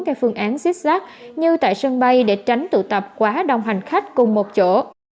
các phương án xích xác như tại sân bay để tránh tụ tập quá đông hành khách cùng một chỗ